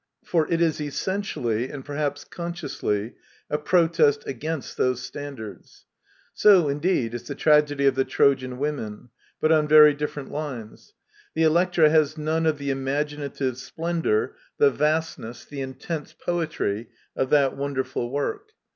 For it is essentially, and perhaps consciously, a protest against those standards. So, indeed, is the tragedy of The Trojan Women ; but on very different lines. The EUctra has none of the imaginative splendour, the vastness, the intense poetry, of that wonderful work.